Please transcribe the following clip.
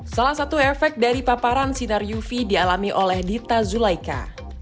salah satu efek dari paparan sinar uv dialami oleh dita zulaika